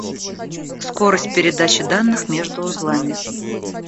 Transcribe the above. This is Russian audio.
Скорость передачи данных между узлами